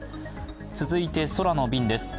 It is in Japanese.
続いて空の便です。